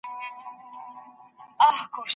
څه شی د دوی امنیت تضمینوي؟